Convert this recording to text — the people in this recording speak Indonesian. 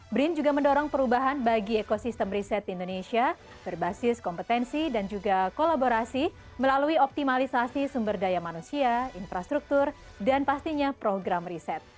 brin juga mendorong perubahan bagi ekosistem riset indonesia berbasis kompetensi dan juga kolaborasi melalui optimalisasi sumber daya manusia infrastruktur dan pastinya program riset